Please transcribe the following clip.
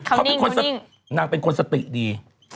นางเป็นคนสติดี